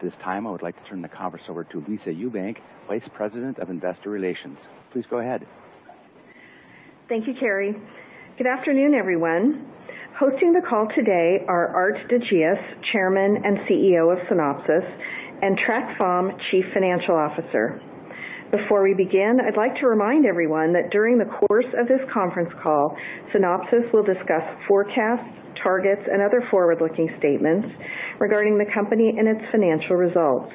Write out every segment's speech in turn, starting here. Thank you, Terry. Good afternoon, everyone. Hosting the call today are Aart de Geus, Chairman and CEO of Synopsys, and Trac Pham, Chief Financial Officer. Before we begin, I'd like to remind everyone that during the course of this conference call, Synopsys will discuss forecasts, targets, and other forward-looking statements regarding the company and its financial results.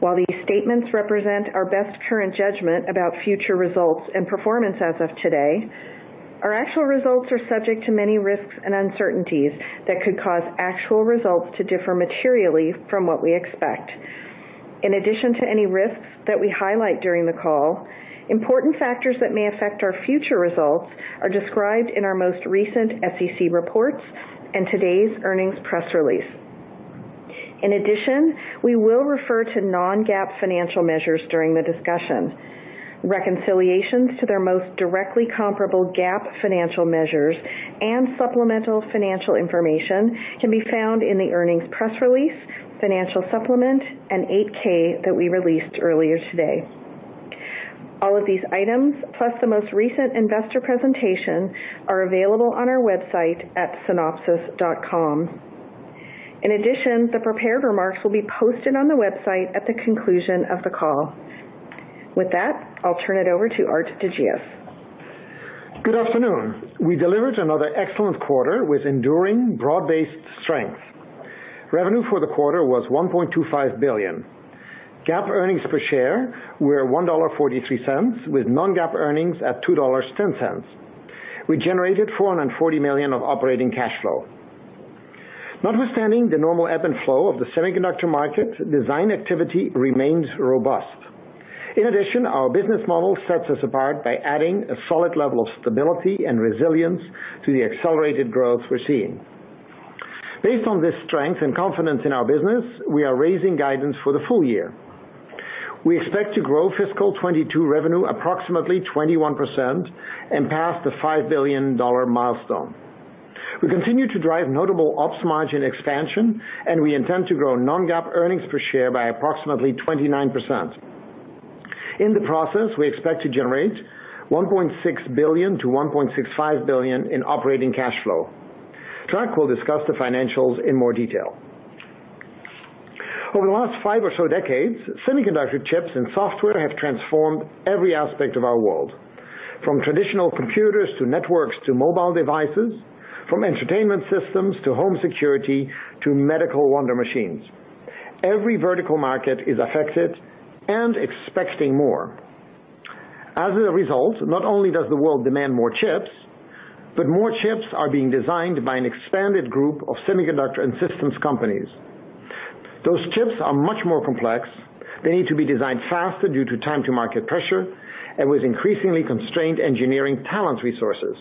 While these statements represent our best current judgment about future results and performance as of today, our actual results are subject to many risks and uncertainties that could cause actual results to differ materially from what we expect. In addition to any risks that we highlight during the call, important factors that may affect our future results are described in our most recent SEC reports and today's earnings press release. In addition, we will refer to non-GAAP financial measures during the discussion. Reconciliations to their most directly comparable GAAP financial measures and supplemental financial information can be found in the earnings press release, financial supplement, and 8-K that we released earlier today. All of these items, plus the most recent investor presentation, are available on our website at synopsys.com. In addition, the prepared remarks will be posted on the website at the conclusion of the call. With that, I'll turn it over to Aart de Geus. Good afternoon. We delivered another excellent quarter with enduring, broad-based strength. Revenue for the quarter was $1.25 billion. GAAP earnings per share were $1.43, and non-GAAP earnings were $2.10. We generated $440 million of operating cash flow. Notwithstanding the normal ebb and flow of the semiconductor market, design activity remains robust. In addition, our business model sets us apart by adding a solid level of stability and resilience to the accelerated growth we're seeing. Based on this strength and confidence in our business, we are raising guidance for the full year. We expect to grow fiscal 2022 revenue approximately 21% and pass the $5 billion milestone. We continue to drive notable ops margin expansion, and we intend to grow non-GAAP earnings per share by approximately 29%. In the process, we expect to generate $1.6 billion-$1.65 billion in operating cash flow. Trac will discuss the financials in more detail. Over the last 5 or so decades, semiconductor chips and software have transformed every aspect of our world, from traditional computers to networks to mobile devices, from entertainment systems to home security to medical wonder machines. Every vertical market is affected and expecting more. As a result, not only does the world demand more chips, but more chips are being designed by an expanded group of semiconductor and systems companies. Those chips are much more complex. They need to be designed faster due to time-to-market pressure and with increasingly constrained engineering talent resources.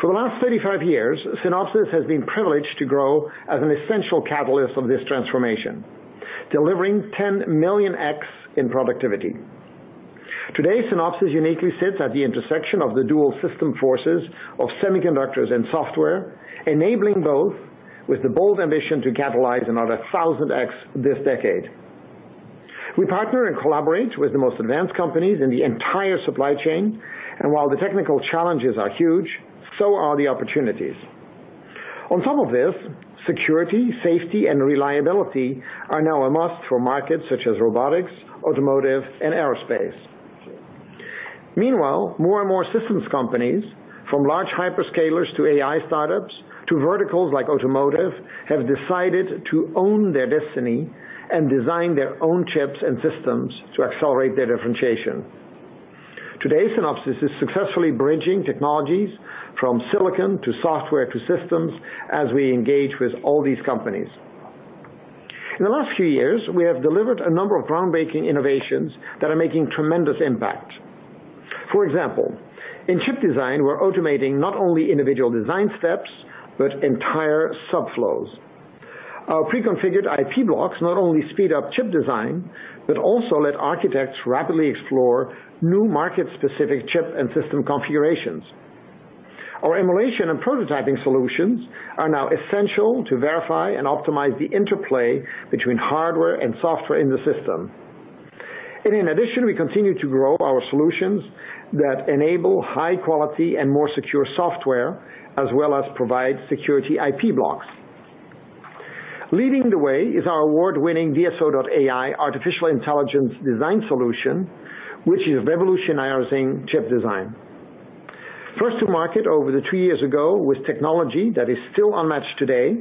For the last 35 years, Synopsys has been privileged to grow as an essential catalyst of this transformation, delivering 10-million-times productivity. Today, Synopsys uniquely sits at the intersection of the dual system forces of semiconductors and software, enabling both with the bold ambition to catalyze another 1,000-times productivity this decade. We partner and collaborate with the most advanced companies in the entire supply chain, and while the technical challenges are huge, so are the opportunities. On top of this, security, safety, and reliability are now a must for markets such as robotics, automotive, and aerospace. Meanwhile, more and more systems companies, from large hyperscalers to AI startups to verticals like automotive, have decided to own their destiny and design their own chips and systems to accelerate their differentiation. Today, Synopsys is successfully bridging technologies from silicon to software to systems as we engage with all these companies. In the last few years, we have delivered a number of groundbreaking innovations that are making tremendous impact. For example, in chip design, we're automating not only individual design steps but entire subflows. Our preconfigured IP blocks not only speed up chip design but also let architects rapidly explore new market-specific chip and system configurations. Our emulation and prototyping solutions are now essential to verify and optimize the interplay between hardware and software in the system. In addition, we continue to grow our solutions that enable high-quality and more secure software as well as provide security IP blocks. Leading the way is our award-winning DSO.ai artificial intelligence design solution, which is revolutionizing chip design. First to market over two years ago with technology that is still unmatched today,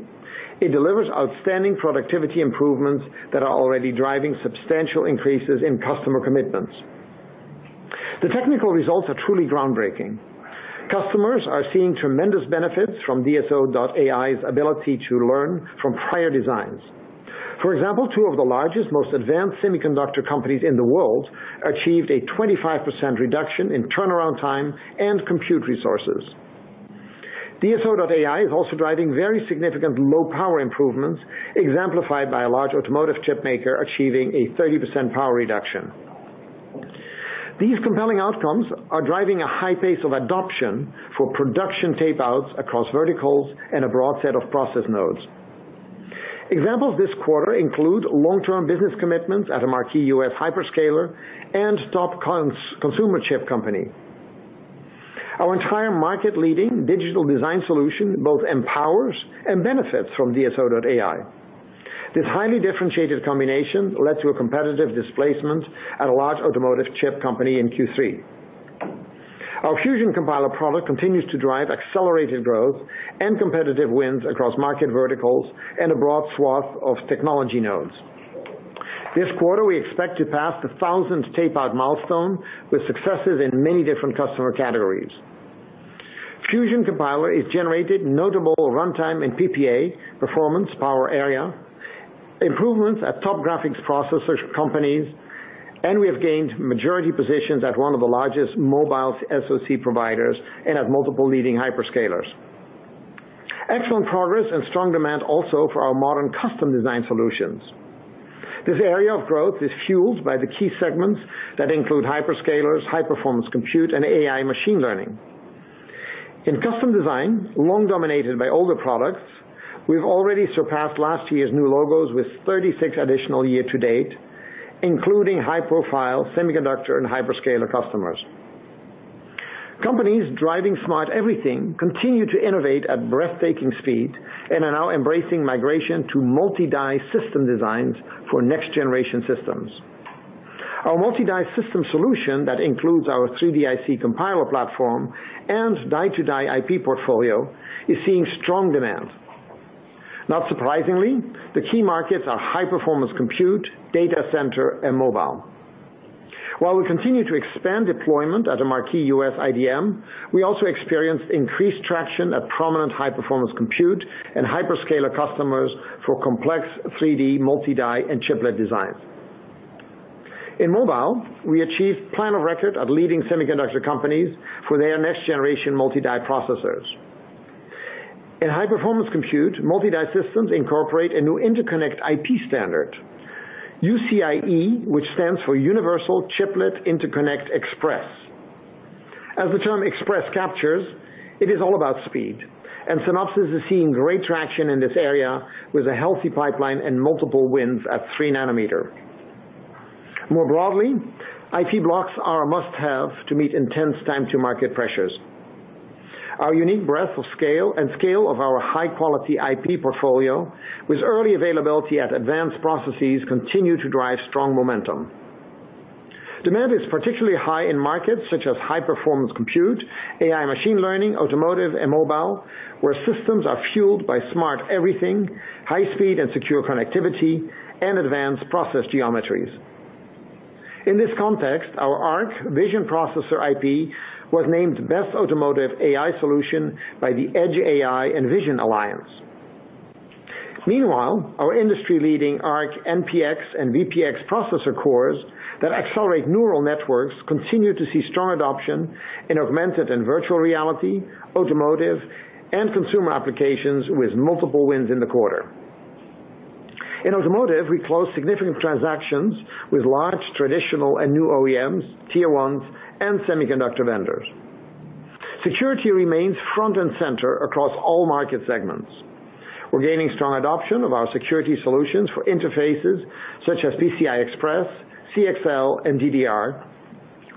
it delivers outstanding productivity improvements that are already driving substantial increases in customer commitments. The technical results are truly groundbreaking. Customers are seeing tremendous benefits from DSO.ai's ability to learn from prior designs. For example, two of the largest, most advanced semiconductor companies in the world achieved a 25% reduction in turnaround time and compute resources. DSO.ai is also driving very significant low-power improvements, exemplified by a large automotive chip maker achieving a 30% power reduction. These compelling outcomes are driving a high pace of adoption for production tapeouts across verticals and a broad set of process nodes. Examples this quarter include long-term business commitments at a marquee U.S. hyperscaler and top consumer chip company. Our entire market-leading digital design solution both empowers and benefits from DSO.ai. This highly differentiated combination led to a competitive displacement at a large automotive chip company in Q3. Our Fusion Compiler product continues to drive accelerated growth and competitive wins across market verticals and a broad swath of technology nodes. This quarter, we expect to pass the 1,000 tapeout milestone with successes in many different customer categories. Fusion Compiler has generated notable runtime and PPA performance power area, improvements at top graphics processor companies, and we have gained majority positions at one of the largest mobile SoC providers and at multiple leading hyperscalers. Excellent progress and strong demand also for our modern custom design solutions. This area of growth is fueled by the key segments that include hyperscalers, high-performance compute, and AI machine learning. In custom design, long dominated by older products, we've already surpassed last year's new logos with 36 additional year-to-date, including high-profile semiconductor and hyperscaler customers. Companies driving smart everything continue to innovate at breathtaking speed and are now embracing migration to multi-die system designs for next-generation systems. Our multi-die system solution that includes our 3DIC Compiler platform and die-to-die IP portfolio is seeing strong demand. Not surprisingly, the key markets are high-performance compute, data center, and mobile. While we continue to expand deployment at a marquee U.S. IDM, we also experienced increased traction at prominent high-performance compute and hyperscaler customers for complex 3D multi-die and chiplet designs. In mobile, we achieved plan-of-record at leading semiconductor companies for their next-generation multi-die processors. In high-performance compute, multi-die systems incorporate a new interconnect IP standard, UCIe, which stands for Universal Chiplet Interconnect Express. As the term express captures, it is all about speed, and Synopsys is seeing great traction in this area with a healthy pipeline and multiple wins at 3-nanometer. More broadly, IP blocks are a must-have to meet intense time-to-market pressures. Our unique breadth of scale and scale of our high-quality IP portfolio with early availability at advanced processes continue to drive strong momentum. Demand is particularly high in markets such as high-performance computing and AI/machine learning, automotive, and mobile, where systems are fueled by smart everything, high-speed and secure connectivity, and advanced process geometries. In this context, our ARC Vision Processor IP was named Best Automotive AI Solution by the Edge AI and Vision Alliance. Meanwhile, our industry-leading ARC NPX and VPX processor cores that accelerate neural networks continue to see strong adoption in augmented and virtual reality, automotive, and consumer applications with multiple wins in the quarter. In automotive, we closed significant transactions with large traditional and new OEMs, tier ones, and semiconductor vendors. Security remains front and center across all market segments. We're gaining strong adoption of our security solutions for interfaces such as PCI Express, CXL, and DDR,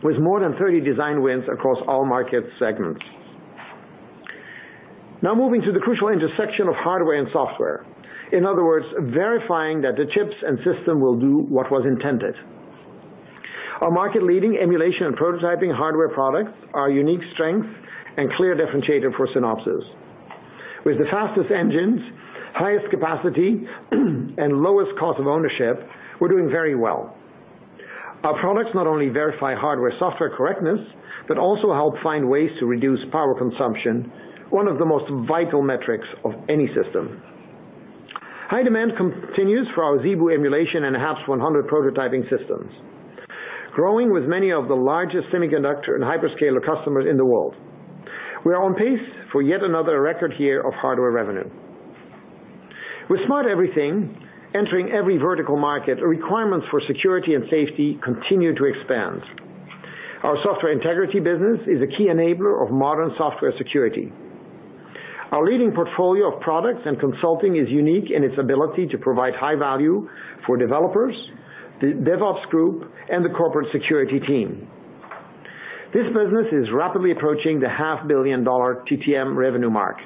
with more than 30 design wins across all market segments. Now moving to the crucial intersection of hardware and software, in other words, verifying that the chips and system will do what was intended. Our market-leading emulation and prototyping hardware products are a unique strength and clear differentiator for Synopsys. With the fastest engines, highest capacity, and lowest cost of ownership, we're doing very well. Our products not only verify hardware-software correctness but also help find ways to reduce power consumption, one of the most vital metrics of any system. High demand continues for our ZeBu emulation and HAPS-100 prototyping systems, growing with many of the largest semiconductor and hyperscaler customers in the world. We are on pace for yet another record year of hardware revenue. With smart everything entering every vertical market, requirements for security and safety continue to expand. Our software integrity business is a key enabler of modern software security. Our leading portfolio of products and consulting is unique in its ability to provide high value for developers, the DevOps group, and the corporate security team. This business is rapidly approaching the $0.5-billion TTM revenue mark.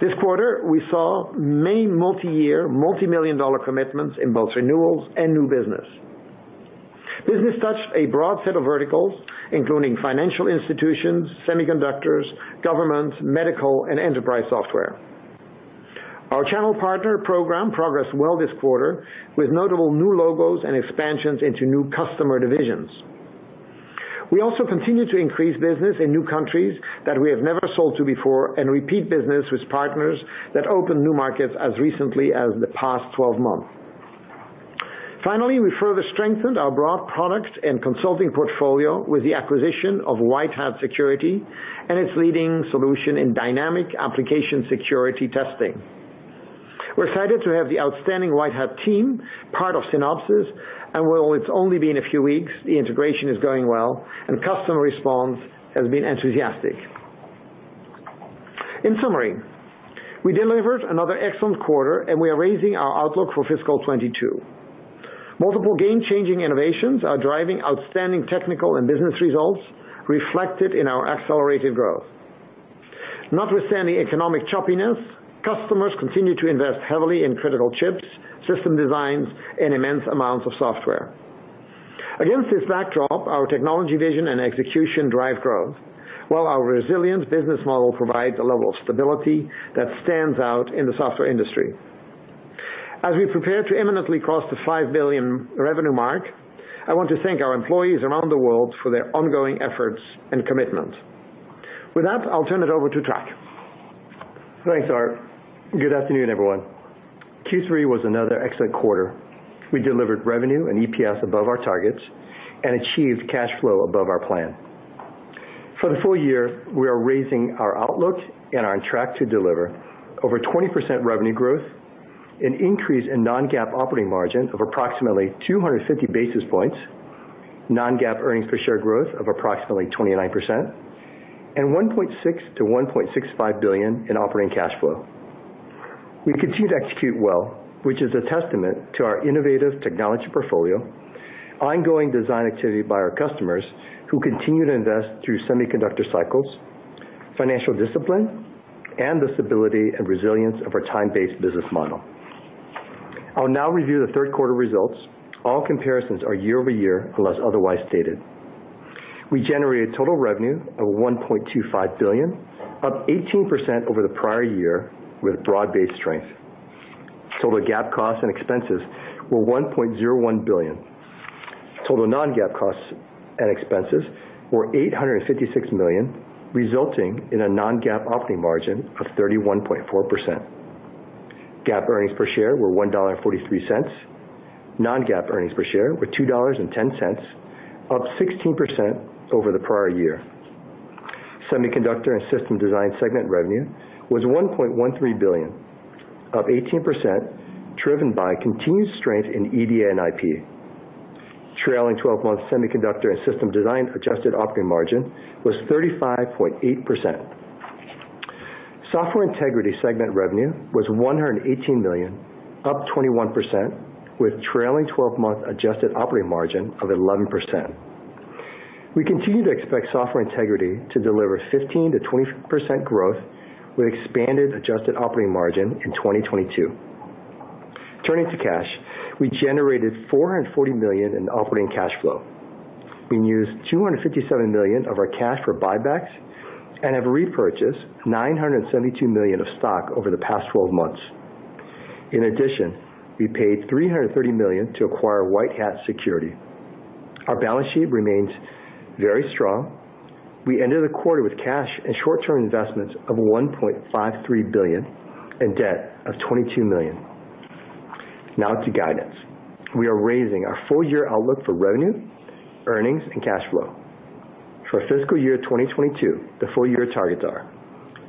This quarter, we saw many multi-year, $ multi-million commitments in both renewals and new business. Business touched a broad set of verticals, including financial institutions, semiconductors, government, medical, and enterprise software. Our channel partner program progressed well this quarter with notable new logos and expansions into new customer divisions. We also continue to increase business in new countries that we have never sold to before and repeat business with partners that opened new markets as recently as the past 12 months. Finally, we further strengthened our broad product and consulting portfolio with the acquisition of WhiteHat Security and its leading solution in dynamic application security testing. We're excited to have the outstanding WhiteHat team part of Synopsys, and while it's only been a few weeks, the integration is going well, and customer response has been enthusiastic. In summary, we delivered another excellent quarter, and we are raising our outlook for fiscal 2022. Multiple game-changing innovations are driving outstanding technical and business results reflected in our accelerated growth. Notwithstanding economic choppiness, customers continue to invest heavily in critical chips, system designs, and immense amounts of software. Against this backdrop, our technology vision and execution drive growth, while our resilient business model provides a level of stability that stands out in the software industry. As we prepare to imminently cross the $5 billion revenue mark, I want to thank our employees around the world for their ongoing efforts and commitment. With that, I'll turn it over to Trac. Thanks, Aart. Good afternoon, everyone. Q3 was another excellent quarter. We delivered revenue and EPS above our targets and achieved cash flow above our plan. For the full year, we are raising our outlook and are on track to deliver over 20% revenue growth, an increase in non-GAAP operating margin of approximately 250 basis points, non-GAAP earnings per share growth of approximately 29%, and $1.6 billion-$1.65 billion in operating cash flow. We continue to execute well, which is a testament to our innovative technology portfolio, ongoing design activity by our customers who continue to invest through semiconductor cycles, financial discipline, and the stability and resilience of our time-based business model. I'll now review the Q3 results. All comparisons are year-over-year unless otherwise stated. We generated total revenue of $1.25 billion, up 18 percent year over year, with broad-based strength. Total GAAP costs and expenses were $1.01 billion. Total non-GAAP costs and expenses were $856 million, resulting in a non-GAAP operating margin of 31.4%. GAAP earnings per share were $1.43. Non-GAAP earnings per share were $2.10, up 16% over the prior year. Semiconductor and system design segment revenue was $1.13 billion, up 18%, driven by continued strength in EDA and IP. Trailing 12-month semiconductor and system design adjusted operating margin was 35.8%. Software integrity segment revenue was $118 million, up 21%, with trailing 12-month adjusted operating margin of 11%. We continue to expect software integrity to deliver 15%-20% growth with expanded adjusted operating margin in 2022. Turning to cash, we generated $440 million in operating cash flow. We used $257 million of our cash for buybacks and have repurchased $972 million of stock over the past 12 months. In addition, we paid $330 million to acquire WhiteHat Security. Our balance sheet remains very strong. We ended the quarter with cash and short-term investments of $1.53 billion and debt of $22 million. Now to guidance. We are raising our full-year outlook for revenue, earnings, and cash flow. For fiscal year 2022, the full-year targets are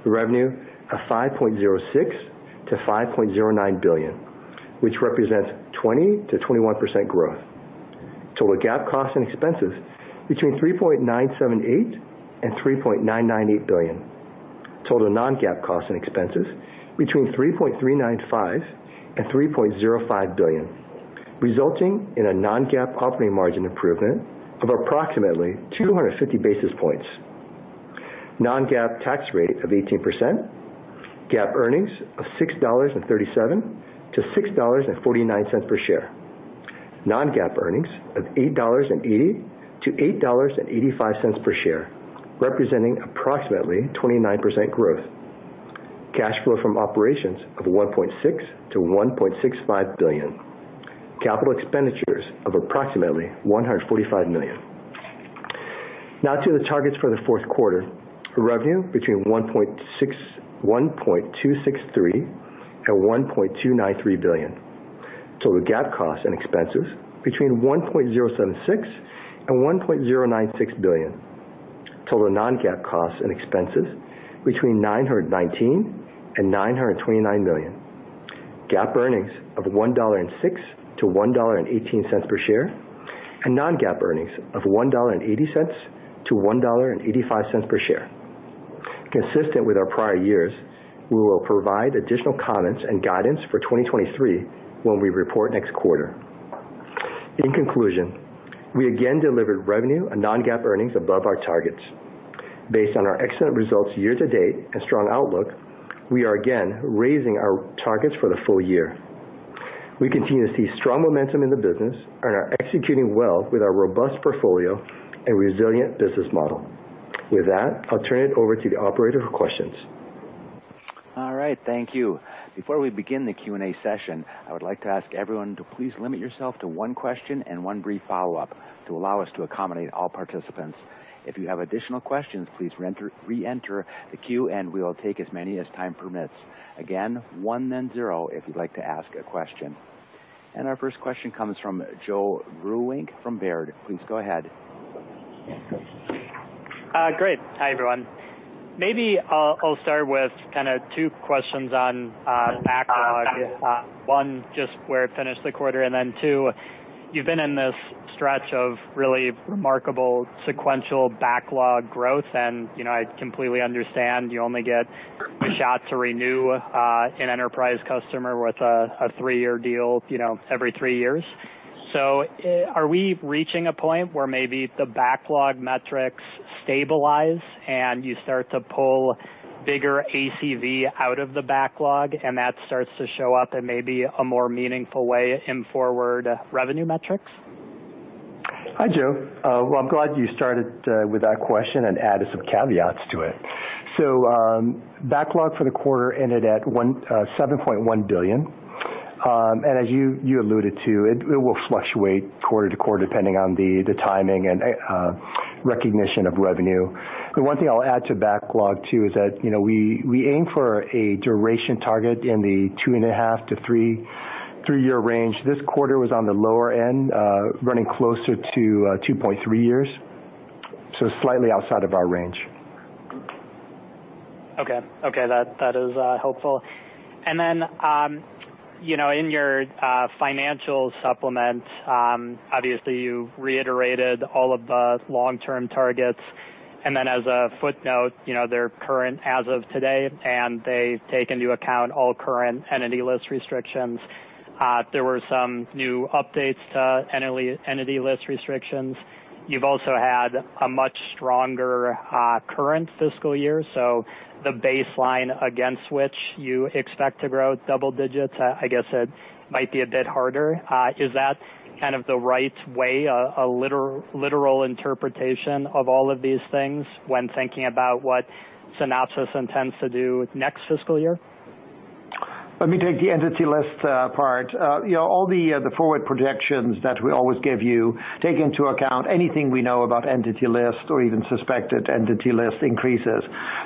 revenue of $5.06-$5.09 billion, which represents 20%-21% growth. Total GAAP costs and expenses between $3.978 billion and $3.998 billion. Total non-GAAP costs and expenses between $3.395 billion and $3.05 billion, resulting in a non-GAAP operating margin improvement of approximately 250 basis points. Non-GAAP tax rate of 18%. GAAP earnings of $6.37-$6.49 per share. Non-GAAP earnings of $8.80-$8.85 per share, representing approximately 29% growth. Cash flow from operations of $1.6-$1.65 billion. Capital expenditures of approximately $145 million. Now to the targets for the Q4. Revenue between $1.263 billion-$1.293 billion. Total GAAP costs and expenses between $1.076 billion-$1.096 billion. Total non-GAAP costs and expenses between $919 million-$929 million. GAAP earnings of $1.06-$1.18 per share and non-GAAP earnings of $1.80-$1.85 per share. Consistent with our prior years, we will provide additional comments and guidance for 2023 when we report next quarter. In conclusion, we again delivered revenue and non-GAAP earnings above our targets. Based on our excellent results year to date and strong outlook, we are again raising our targets for the full year. We continue to see strong momentum in the business and are executing well with our robust portfolio and resilient business model. With that, I'll turn it over to the operator for questions. Great. Hi, everyone. Maybe I'll start with kind of two questions on backlog. One, just where it finished the quarter, and then two, you've been in this stretch of really remarkable sequential backlog growth, and I completely understand you only get a shot to renew an enterprise customer with a three-year deal every three years. So are we reaching a point where maybe the backlog metrics stabilize and you start to pull bigger ACV out of the backlog, and that starts to show up in maybe a more meaningful way in forward revenue metrics? Hi, Joe. Well, I'm glad you started with that question and added some caveats to it. Backlog for the quarter ended at $7.1 billion. As you alluded to, it will fluctuate quarter to quarter depending on the timing and recognition of revenue. The one thing I'll add to backlog too is that we aim for a duration target in the 2.5-3-year range. This quarter was on the lower end, running closer to 2.3 years, so slightly outside of our range. Okay. That is helpful. Then in your financial supplement, obviously, you reiterated all of the long-term targets. Then as a footnote, they're current as of today, and they've taken into account all current entity list restrictions. There were some new updates to entity list restrictions. You've also had a much stronger current fiscal year, so the baseline against which you expect to grow double digits, I guess it might be a bit harder. Is that kind of the right way, a literal interpretation of all of these things when thinking about what Synopsys intends to do next fiscal year? Let me take the Entity List part. All the forward projections that we always give you take into account anything we know about Entity List or even suspected Entity List increases.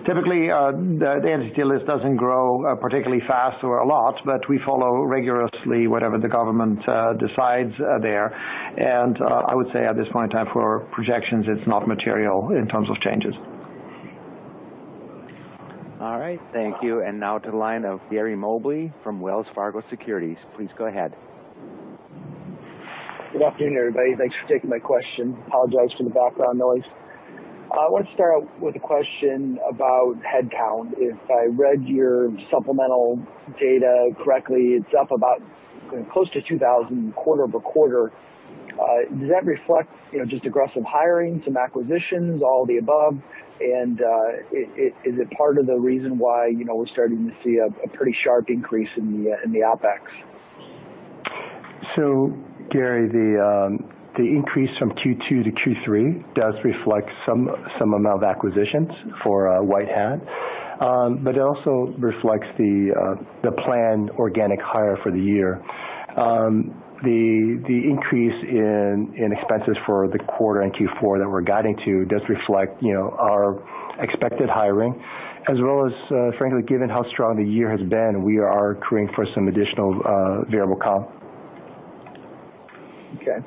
Typically, the Entity List doesn't grow particularly fast or a lot, but we follow rigorously whatever the government decides there. I would say at this point in time for projections, it's not material in terms of changes. Good afternoon, everybody. Thanks for taking my question. Apologize for the background noise. I want to start out with a question about headcount. If I read your supplemental data correctly, it's up about close to 2,000 quarter-over-quarter. Does that reflect just aggressive hiring, some acquisitions, all the above? Is it part of the reason why we're starting to see a pretty sharp increase in the OpEx? Gary, the increase from Q2 to Q3 does reflect some amount of acquisitions for WhiteHat, but it also reflects the planned organic hires for the year. The increase in expenses for the quarter and Q4 that we're guiding to does reflect our expected hiring, as well as, frankly, given how strong the year has been, we are accruing for some additional variable comp. Okay.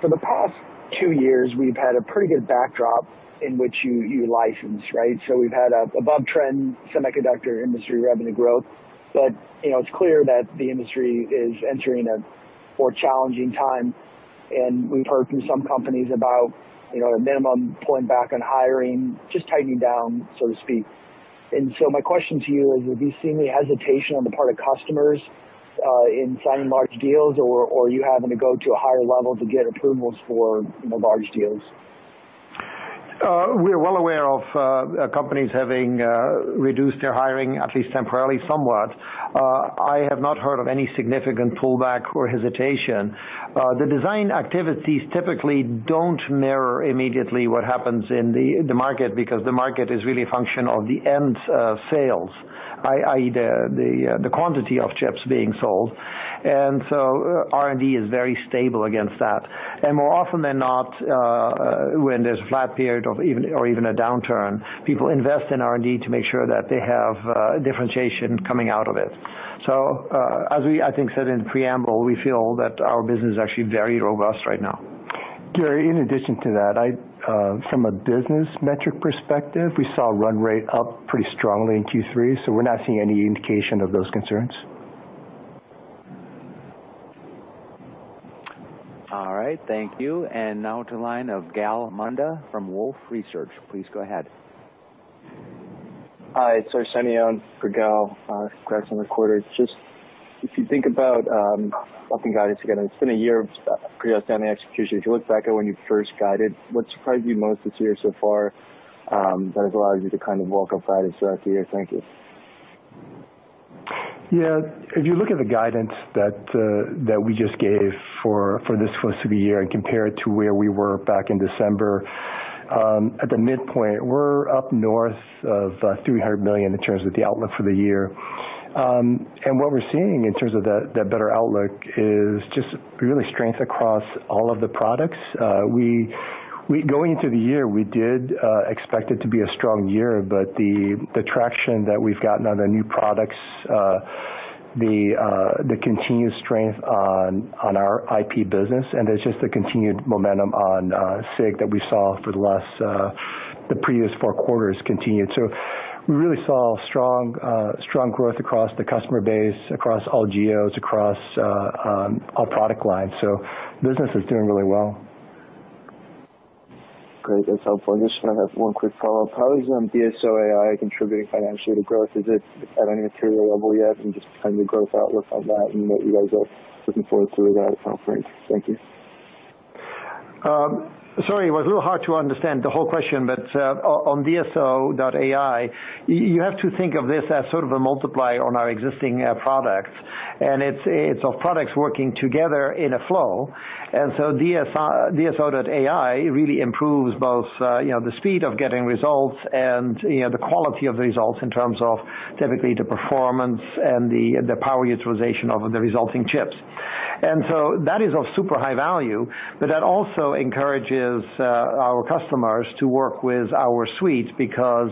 For the past two years, we've had a pretty good backdrop in which you license, right? We've had above-trend semiconductor industry revenue growth, but it's clear that the industry is entering a more challenging time. We've heard from some companies about a minimum pulling back on hiring, just tightening down, so to speak. My question to you is, have you seen any hesitation on the part of customers in signing large deals, or are you having to go to a higher level to get approvals for large deals? We're well aware of companies having reduced their hiring, at least temporarily, somewhat. I have not heard of any significant pullback or hesitation. The design activities typically don't mirror immediately what happens in the market because the market is really a function of the end sales, i.e., the quantity of chips being sold. R&D is very stable against that. More often than not, when there's a flat period or even a downturn, people invest in R&D to make sure that they have differentiation coming out of it. As we, I think, said in the preamble, we feel that our business is actually very robust right now. Gary, in addition to that, from a business metric perspective, we saw run rate up pretty strongly in Q3, so we're not seeing any indication of those concerns. Hi. It's Sassine Ghazi for Gal, congrats on the quarter. Just if you think about helping guide us again, it's been a year of pretty outstanding execution. If you look back at when you first guided, what surprised you most this year so far that has allowed you to kind of walk up guidance throughout the year? Thank you. Yeah. If you look at the guidance that we just gave for this fiscal year and compare it to where we were back in December, at the midpoint, we're up north of $300 million in terms of the outlook for the year. What we're seeing in terms of that better outlook is just really strength across all of the products. Going into the year, we did expect it to be a strong year, but the traction that we've gotten on the new products, the continued strength on our IP business, and there's just a continued momentum on SIG that we saw for the previous four quarters continued. We really saw strong growth across the customer base, across all geos, across all product lines. Business is doing really well. Great. That's helpful. I just want to have one quick follow-up. How is DSO.ai contributing financially to growth? Is it at any material level yet? Just kind of the growth outlook on that and what you guys are looking forward. Thank you. Sorry, it was a little hard to understand the whole question, but on DSO.ai, you have to think of this as sort of a multiplier on our existing products. It's our products working together in a flow. DSO.ai really improves both the speed of getting results and the quality of the results in terms of typically the performance and the power utilization of the resulting chips. That is of super high value, but that also encourages our customers to work with our suite because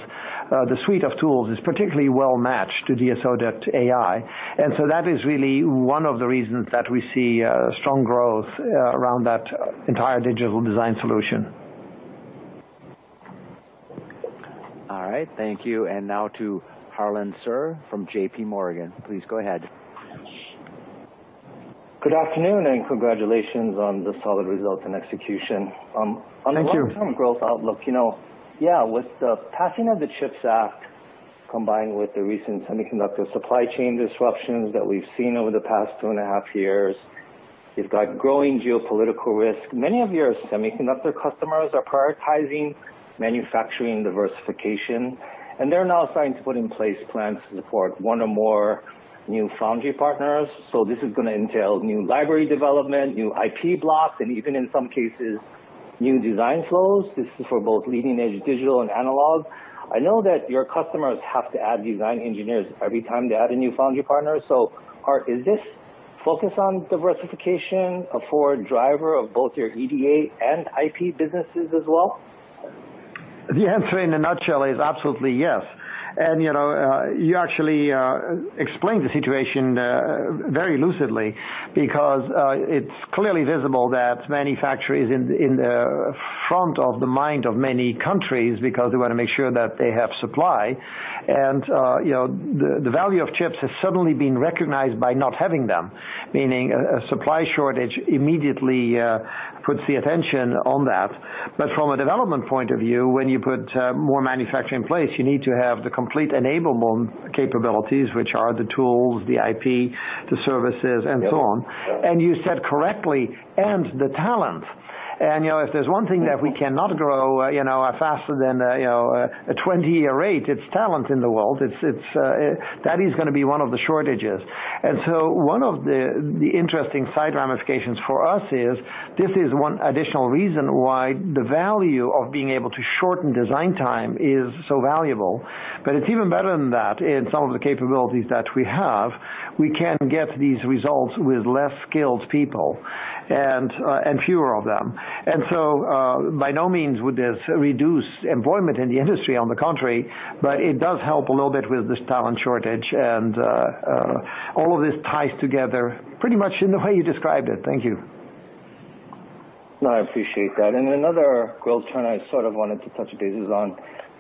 the suite of tools is particularly well matched to DSO.ai. That is really one of the reasons that we see strong growth around that entire digital design solution. Good afternoon and congratulations on the solid results and execution. Thank you. On the long-term growth outlook, yeah, with the passing of the CHIPS Act combined with the recent semiconductor supply chain disruptions that we've seen over the past 2.5 years, you've got growing geopolitical risk. Many of your semiconductor customers are prioritizing manufacturing diversification, and they're now starting to put in place plans to support one or more new foundry partners. This is going to entail new library development, new IP blocks, and even in some cases, new design flows. This is for both leading-edge digital and analog. I know that your customers have to add design engineers every time they add a new foundry partner. Aart, is this focus on diversification a forward driver of both your EDA and IP businesses as well? The answer in a nutshell is absolutely yes. You actually explained the situation very lucidly because it's clearly visible that manufacturing is in the front of the mind of many countries because they want to make sure that they have supply. The value of chips has suddenly been recognized by not having them, meaning a supply shortage immediately puts the attention on that. From a development point of view, when you put more manufacturing in place, you need to have the complete enablement capabilities, which are the tools, the IP, the services, and so on. You said correctly, and the talent. If there's one thing that we cannot grow faster than a 20-year rate, it's talent in the world. That is going to be one of the shortages. One of the interesting side ramifications for us is this is one additional reason why the value of being able to shorten design time is so valuable. It's even better than that. In some of the capabilities that we have, we can get these results with less skilled people and fewer of them. By no means would this reduce employment in the industry, on the contrary, but it does help a little bit with this talent shortage. All of this ties together pretty much in the way you described it. Thank you. No, I appreciate that. Another growth trend I sort of wanted to touch base is on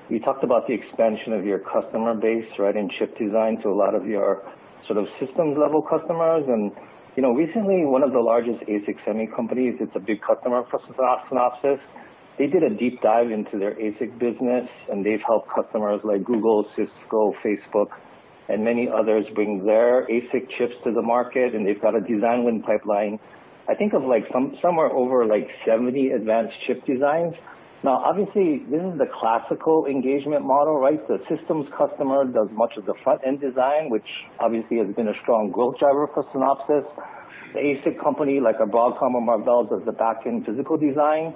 you talked about the expansion of your customer base in chip design to a lot of your sort of systems-level customers. Recently, one of the largest ASIC semi companies, it's a big customer for Synopsys. They did a deep dive into their ASIC business, and they've helped customers like Google, Cisco, Facebook, and many others bring their ASIC chips to the market. They've got a design win pipeline, I think, of somewhere over 70 advanced chip designs. Now, obviously, this is the classical engagement model, right? The systems customer does much of the front-end design, which obviously has been a strong growth driver for Synopsys. The ASIC company, like a Broadcom or Marvell, does the back-end physical design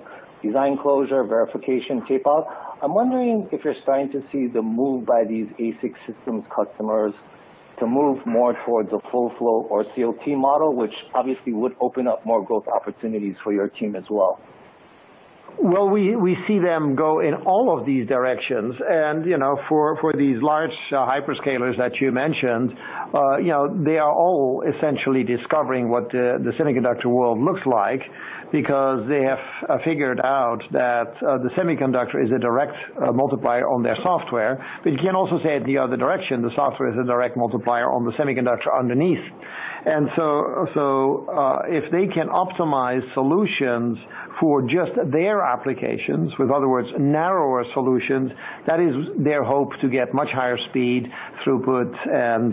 closure, verification, tapeout. I'm wondering if you're starting to see the move by these ASIC systems customers to move more towards a full-flow or COT model, which obviously would open up more growth opportunities for your team as well? Well, we see them go in all of these directions. For these large hyperscalers that you mentioned, they are all essentially discovering what the semiconductor world looks like because they have figured out that the semiconductor is a direct multiplier on their software. You can also say it in the other direction. The software is a direct multiplier on the semiconductor underneath. If they can optimize solutions for just their applications, in other words, narrower solutions, that is their hope to get much higher speed, throughput, and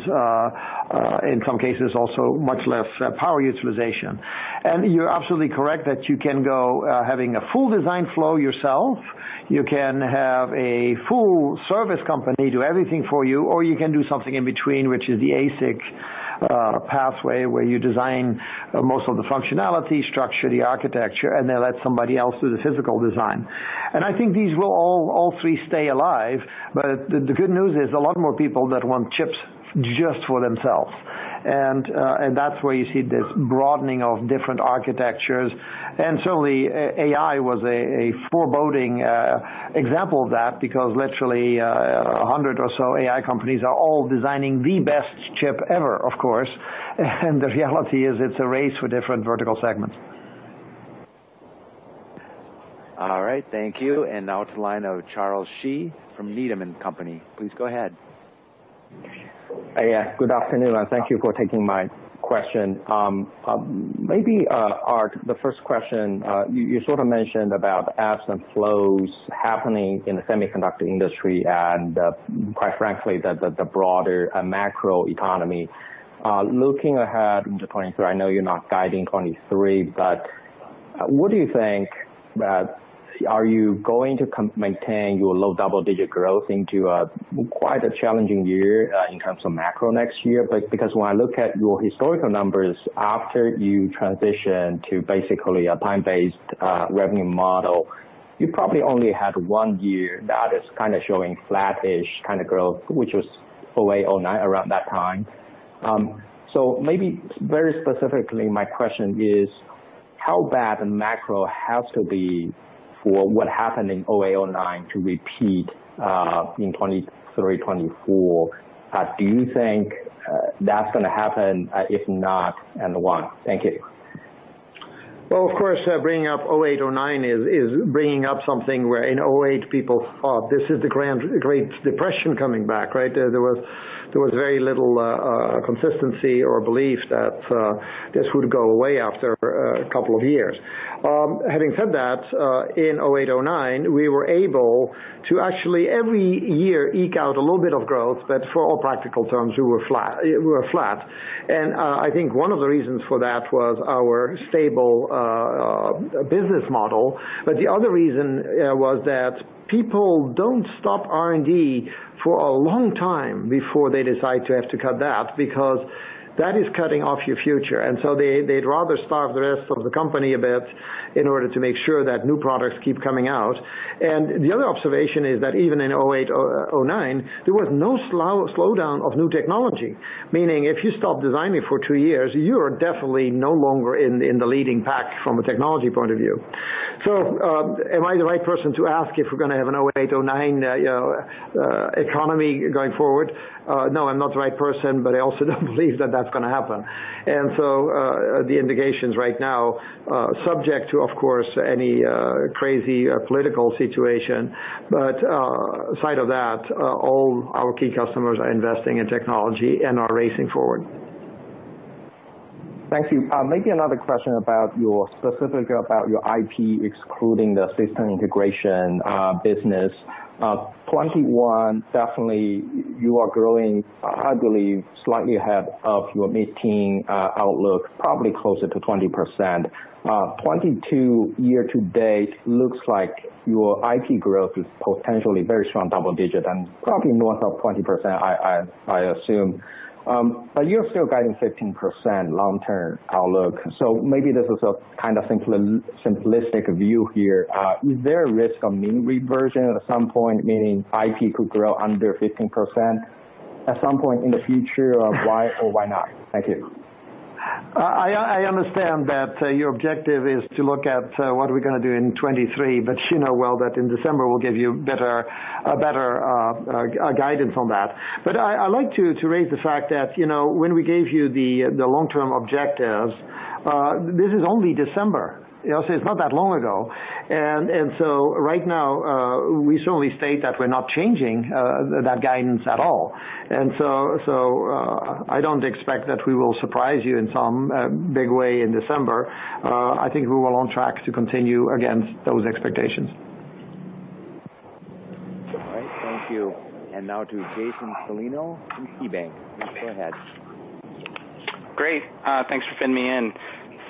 in some cases, also much less power utilization. You're absolutely correct that you can go having a full design flow yourself. You can have a full service company do everything for you, or you can do something in between, which is the ASIC pathway where you design most of the functionality, structure the architecture, and then let somebody else do the physical design. I think these will all three stay alive. The good news is a lot more people that want chips just for themselves. That's where you see this broadening of different architectures. Certainly, AI was a foreboding example of that because literally 100 or so AI companies are all designing the best chip ever, of course. The reality is it's a race for different vertical segments. Yeah. Good afternoon. Thank you for taking my question. Maybe, Aart, the first question, you sort of mentioned about apps and flows happening in the semiconductor industry and, quite frankly, the broader macroeconomy. Looking ahead into 2023, I know you're not guiding 2023, but what do you think? Are you going to maintain your low double-digit growth into quite a challenging year in terms of macro next year? Because when I look at your historical numbers, after you transitioned to basically a time-based revenue model, you probably only had one year that is kind of showing flat-ish kind of growth, which was 2008, 2009, around that time. Maybe very specifically, my question is, how bad the macro has to be for what happened in 2008, 2009 to repeat in 2023, 2024? Do you think that's going to happen? If not, and why? Thank you. Well, of course, bringing up 2008, 2009 is bringing up something where in 2008, people thought this is the Great Depression coming back, right? There was very little consistency or belief that this would go away after a couple of years. Having said that, in 2008, 2009, we were able to actually, every year, eke out a little bit of growth, but for all practical purposes, we were flat. I think one of the reasons for that was our stable business model. The other reason was that people don't stop R&D for a long time before they decide to have to cut that because that is cutting off your future. They'd rather starve the rest of the company a bit in order to make sure that new products keep coming out. The other observation is that even in 2008, 2009, there was no slowdown of new technology, meaning if you stop designing for two years, you are definitely no longer in the leading pack from a technology point of view. Am I the right person to ask if we're going to have an 2008, 2009 economy going forward? No, I'm not the right person, but I also don't believe that that's going to happen. The indications right now, subject to, of course, any crazy political situation, but aside of that, all our key customers are investing in technology and are racing forward. Thank you. Maybe another question specifically about your IP, excluding the system integration business. 2021, definitely, you are growing, I believe, slightly ahead of your mid-teens outlook, probably closer to 20%. 2022, year to date, looks like your IP growth is potentially very strong double-digit and probably north of 20%, I assume. But you're still guiding 15% long-term outlook. Maybe this is a kind of simplistic view here. Is there a risk of mean reversion at some point, meaning IP could grow under 15% at some point in the future? Why or why not? Thank you. I understand that your objective is to look at what we're going to do in 2023, but well that in December, we'll give you better guidance on that. I like to raise the fact that when we gave you the long-term objectives, this is only December. It's not that long ago. I don't expect that we will surprise you in some big way in December. I think we're well on track to continue against those expectations. Great. Thanks for fitting me in.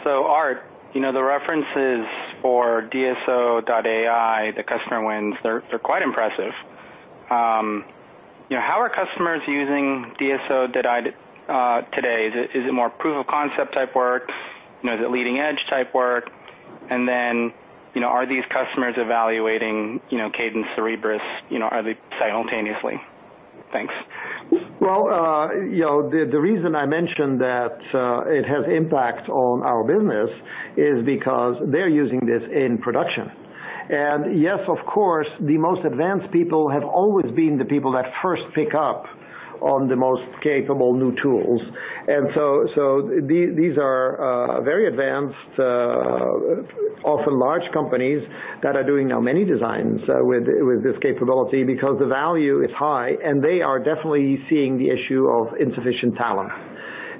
So, Aart, the references for DSO.ai, the customer wins, they're quite impressive. How are customers using DSO today? Is it more proof of concept type work? Is it leading-edge type work? Are these customers evaluating Cadence Cerebrus simultaneously? Thanks. Well, the reason I mentioned that it has impact on our business is because they're using this in production. Yes, of course, the most advanced people have always been the people that first pick up on the most capable new tools. These are very advanced, often large companies that are doing now many designs with this capability because the value is high, and they are definitely seeing the issue of insufficient talent.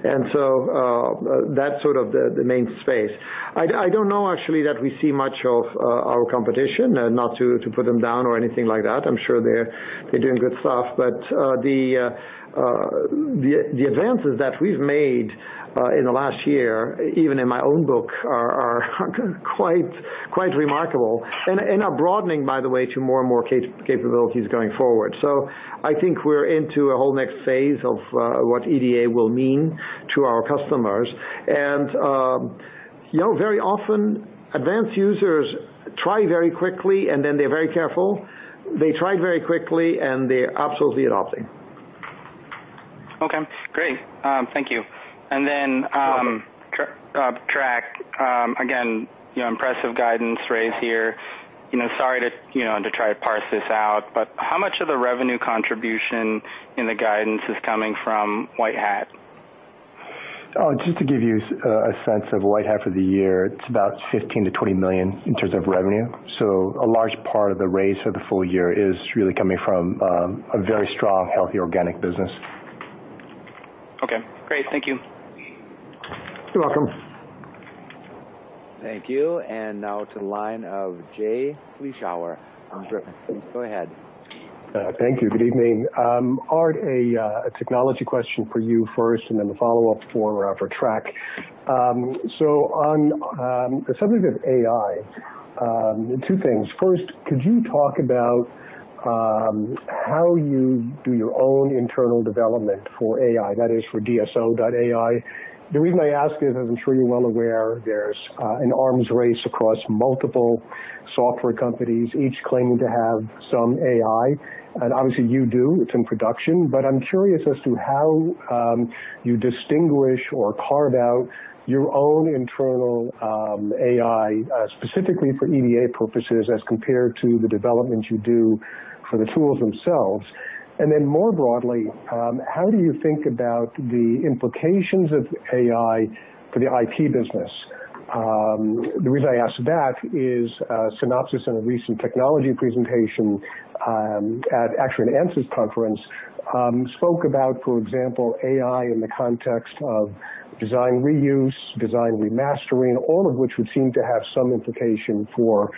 That's sort of the main space. I don't know, actually, that we see much of our competition, not to put them down or anything like that. I'm sure they're doing good stuff. The advances that we've made in the last year, even in my own book, are quite remarkable and are broadening, by the way, to more and more capabilities going forward. I think we're into a whole next phase of what EDA will mean to our customers. Very often, advanced users try very quickly, and then they're very careful. They tried very quickly, and they're absolutely adopting. Okay. Great. Thank you. Trac, again, impressive guidance raise here. Sorry to try to parse this out, but how much of the revenue contribution in the guidance is coming from WhiteHat? Oh, just to give you a sense of WhiteHat for the year, it's about $15 million-$20 million in terms of revenue. A large part of the raise for the full year is really coming from a very strong, healthy organic business. Okay. Great. Thank you. You're welcome. Thank you. Good evening. Aart, a technology question for you first and then a follow-up for Trac. On the subject of AI, two things. First, could you talk about how you do your own internal development for AI, that is, for DSO.ai? The reason I ask is, as I'm sure you're well aware, there's an arms race across multiple software companies, each claiming to have some AI. Obviously, you do. It's in production. I'm curious as to how you distinguish or carve out your own internal AI, specifically for EDA purposes, as compared to the developments you do for the tools themselves. Then more broadly, how do you think about the implications of AI for the IP business? The reason I ask that is Synopsys, in a recent technology presentation, actually at an Ansys conference, spoke about, for example, AI in the context of design reuse, design remastering, all of which would seem to have some implication for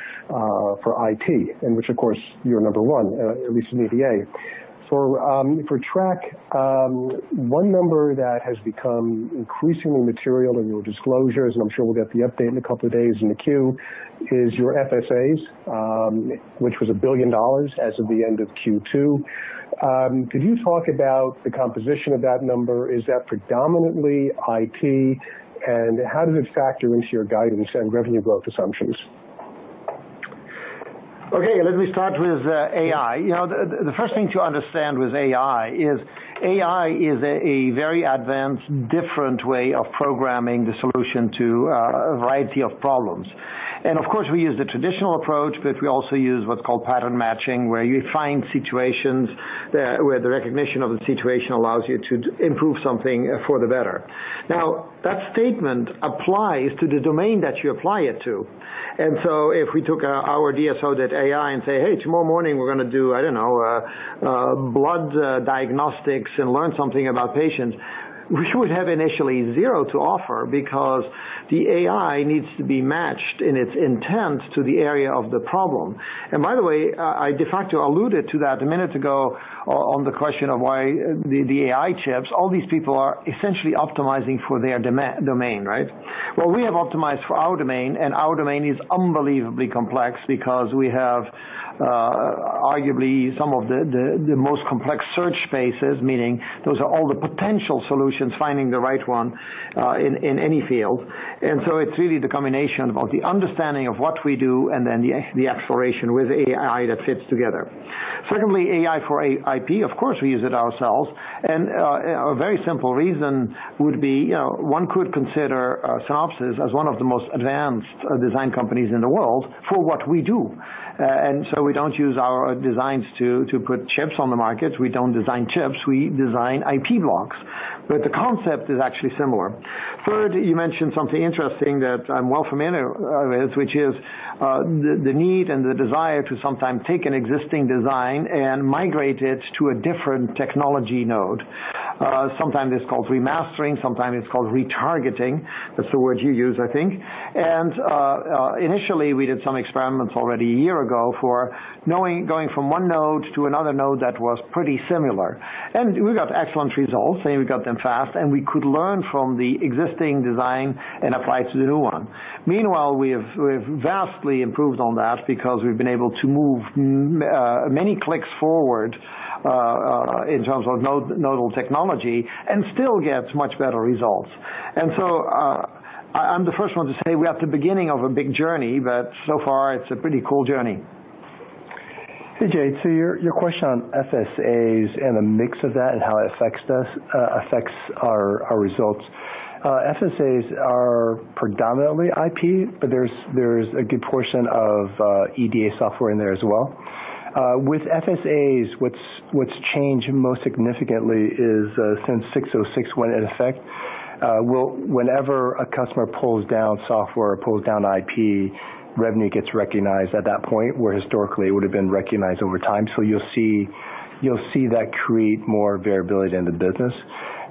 IP, in which, of course, you're number one, at least in EDA. For Trac, one number that has become increasingly material in your disclosures, and I'm sure we'll get the update in a couple of days in the queue, is your FSAs, which was $1 billion as of the end of Q2. Could you talk about the composition of that number? Is that predominantly IP? And how does it factor into your guidance and revenue growth assumptions? Okay. Let me start with AI. The first thing to understand with AI is AI is a a very advanced way of programming solutions to a variety of problems. Of course, we use the traditional approach, but we also use what's called pattern matching, where you find situations where the recognition of the situation allows you to improve something for the better. Now, that statement applies to the domain that you apply it to. If we took our DSO.ai and say, "Hey, tomorrow morning, we're going to do, I don't know, blood diagnostics and learn something about patients," we would have initially zero to offer because the AI needs to be matched in its intent to the area of the problem. By the way, I de facto alluded to that a minute ago on the question of why the AI chips. All these people are essentially optimizing for their domain, right? Well, we have optimized for our domain, and our domain is unbelievably complex because we have, arguably, some of the most complex search spaces, meaning those are all the potential solutions, finding the right one in any field. It's really the combination of the understanding of what we do and then the exploration with AI that fits together. Secondly, AI for IP, of course, we use it ourselves. A very simple reason would be one could consider Synopsys as one of the most advanced design companies in the world for what we do. We don't use our designs to put chips on the market. We don't design chips. We design IP blocks. The concept is actually similar. Third, you mentioned something interesting that I'm well familiar with, which is the need and the desire to sometimes take an existing design and migrate it to a different technology node. Sometimes it's called remastering. Sometimes it's called retargeting. That's the word you use, I think. Initially, we did some experiments already a year ago for going from one node to another node that was pretty similar. We got excellent results, and we got them fast, and we could learn from the existing design and apply it to the new one. Meanwhile, we've vastly improved on that because we've been able to move many nodes forward in terms of node technology and still get much better results. I'm the first one to say we're at the beginning of a big journey, but so far, it's a a very promising journey. Hey, Jay. Your question on FSAs and the mix of that and how it affects our results. FSAs are predominantly IP, but there's a good portion of EDA software in there as well. With FSAs, what's changed most significantly is since ASC 606 went in effect. Whenever a customer pulls down software or pulls down IP, revenue gets recognized at that point where historically it would have been recognized over time. You'll see that create more variability in the business.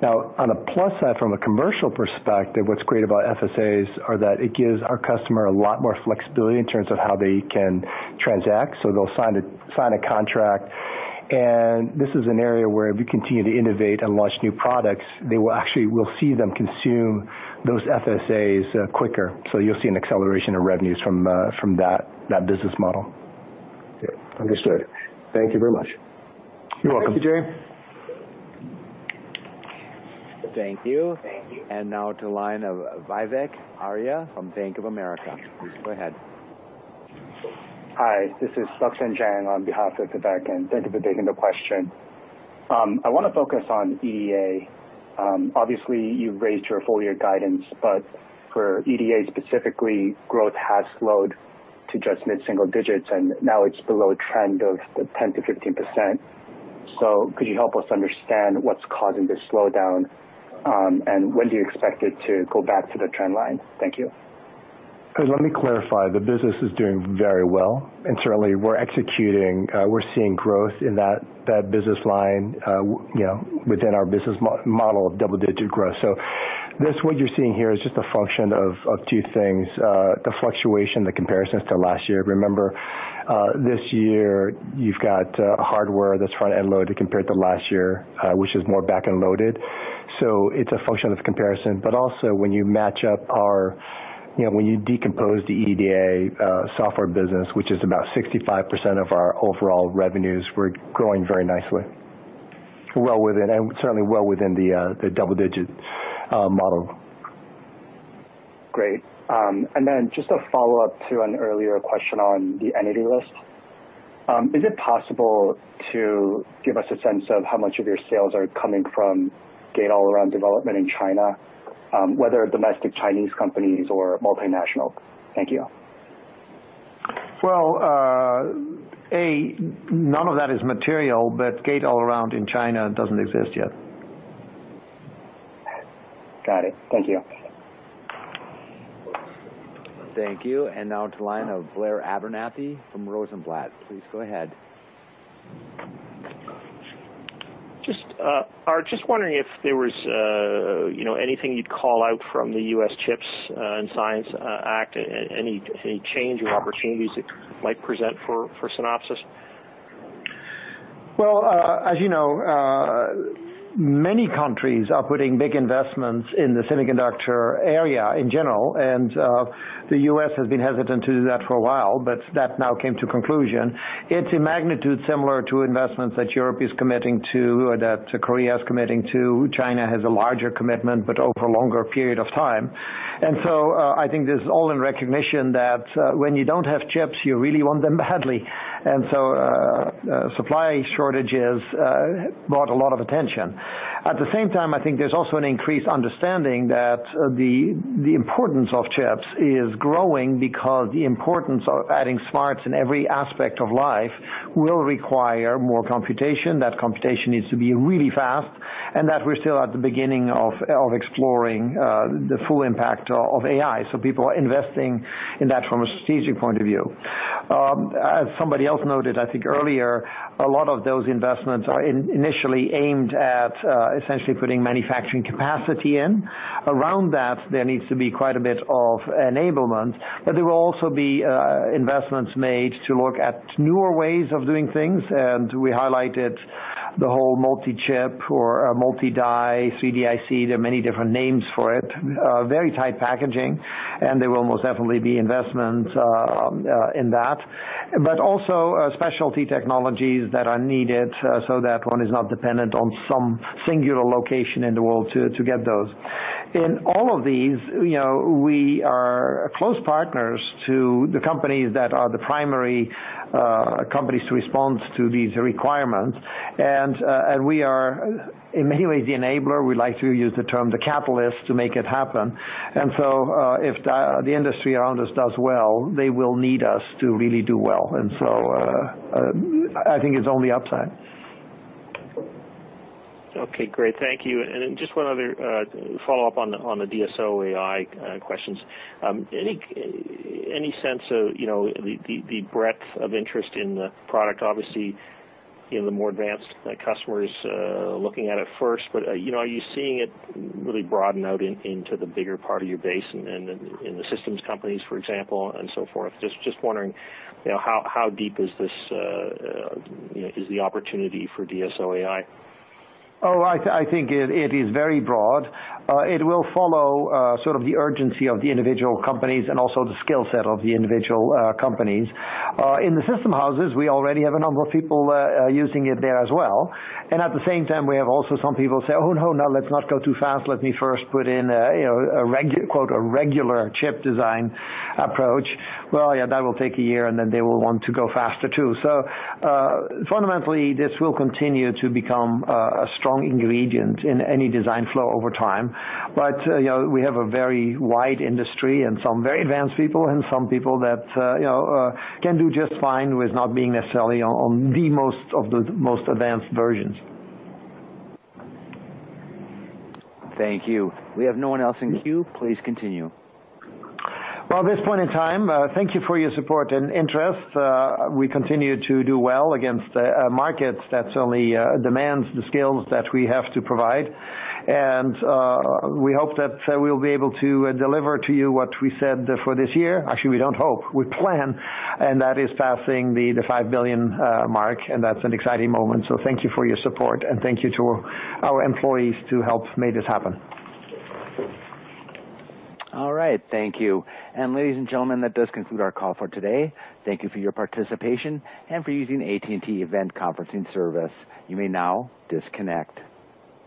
Now, on the plus side, from a commercial perspective, what's great about FSAs is that it gives our customer a lot more flexibility in terms of how they can transact. They'll sign a contract. This is an area where if you continue to innovate and launch new products, they will actually see them consume those FSAs quicker. You'll see an acceleration of revenues from that business model. Understood. Thank you very much. You're welcome. Thank you, Jay. Hi. This is Sassine Ghazi on behalf of the bank, and thank you for taking the question. I want to focus on EDA. Obviously, you've raised your full-year guidance, but for EDA specifically, growth has slowed to just mid-single digits, and now it's below a trend of 10%-15%. Could you help us understand what's causing this slowdown, and when do you expect it to go back to the trend line? Thank you. Let me clarify. The business is doing very well, and certainly, we're seeing growth in that business line within our business model of double-digit growth. What you're seeing here is just a function of two things. The fluctuation, the comparisons to last year. Remember, this year, you've got hardware that's front-end loaded compared to last year, which is more back-end loaded. It's a function of the comparison. Also, when you decompose the EDA software business, which is about 65% of our overall revenues, we're growing very nicely, certainly well within the double-digit model. Great. Just a follow-up to an earlier question on the entity list. Is it possible to give us a sense of how much of your sales are coming from gate-all-around development in China, whether domestic Chinese companies or multinationals? Thank you. Well, Aart, none of that is material, but gate-all-around in China doesn't exist yet. Got it. Thank you. Art, just wondering if there was anything you'd call out from the U.S. CHIPS and Science Act, any change or opportunities it might present for Synopsys? Well, as you know, many countries are putting big investments in the semiconductor area in general. The U.S. has been hesitant to do that for a while, but that now came to conclusion. It's a magnitude similar to investments that Europe is committing to or that Korea is committing to. China has a larger commitment, but over a longer period of time. I think this is all in recognition that when you don't have chips, you really want them badly. Supply shortages brought a lot of attention. At the same time, I think there's also an increased understanding that the importance of chips is growing because the importance of adding smarts in every aspect of life will require more computation. That computation needs to be really fast, and that we're still at the beginning of exploring the full impact of AI. People are investing in that from a strategic point of view. As somebody else noted, I think earlier, a lot of those investments are initially aimed at essentially putting manufacturing capacity in. Around that, there needs to be quite a bit of enablement. There will also be investments made to look at newer ways of doing things. We highlighted the whole multi-chip or multi-die, 3DIC. There are many different names for it, very tight packaging, and there will most definitely be investments in that, but also specialty technologies that are needed so that one is not dependent on some singular location in the world to get those. In all of these, we are close partners to the companies that are the primary companies to respond to these requirements. We are, in many ways, the enabler. We like to use the term the catalyst to make it happen. If the industry around us does well, they will need us to really do well. I think it's only upside. Okay. Great. Thank you. Just one other follow-up on the DSO.ai questions. Any sense of the breadth of interest in the product? Obviously, the more advanced customers are looking at it first. Are you seeing it really broaden out into the bigger part of your base and in the systems companies, for example, and so forth? Just wondering, how deep is the opportunity for DSO.ai? Oh, I think it is very broad. It will follow sort of the urgency of the individual companies and also the skill set of the individual companies. In the system houses, we already have a number of people using it there as well. At the same time, we have also some people say, "Oh, no. Let's not go too fast. Let me first put in a 'regular' chip design approach." Well, yeah, that will take a year, and then they will want to go faster too. Fundamentally, This will continue to be a strong component of any design flow over time. We have a very wide industry and some very advanced people and some companies that can do fine without necessarily using the most advanced versions. Well, at this point in time, thank you for your support and interest. We continue to do well against markets that certainly demand the skills that we have to provide. We hope that we'll be able to deliver to you what we said for this year. Actually, we don't hope. We plan. That is passing the $5 billion mark, and that's an exciting moment. Thank you for your support, and thank you to our employees to help make this happen.